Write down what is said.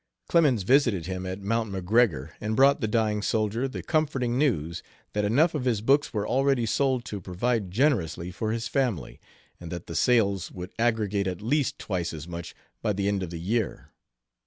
Clemens visited him at Mt. McGregor and brought the dying soldier the comforting news that enough of his books were already sold to provide generously for his family, and that the sales would aggregate at least twice as much by the end of the year.